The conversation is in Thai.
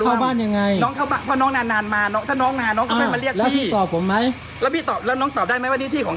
แล้วน้องตอบได้ไหมว่านี่ที่ของใคร